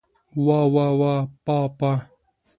واه واه واه پاه پاه!